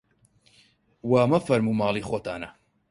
وا مەفەرموو ماڵی خۆتانە